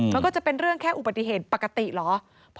มันก็จะเป็นเรื่องแค่อุบัติเหตุปกติเหรอ